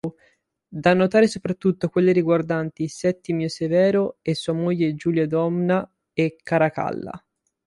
Da notare soprattutto quelle riguardanti Settimio Severo e sua moglie Giulia Domna e Caracalla.